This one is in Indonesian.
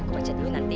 aku baca dulu nanti